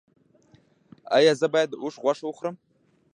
ایا زه باید د اوښ غوښه وخورم؟